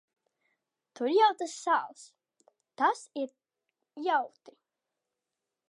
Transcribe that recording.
Tur jau tas sāls. Tas ir jautri.